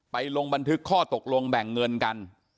ลงบันทึกข้อตกลงแบ่งเงินกัน